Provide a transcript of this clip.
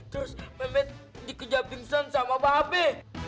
terus memet dikejap bingsan sama babi